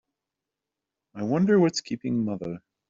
I wonder what's keeping mother?